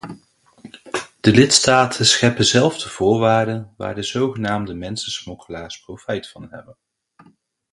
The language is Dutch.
De lidstaten scheppen zelf de voorwaarden waar de zogenaamde mensensmokkelaars profijt van hebben.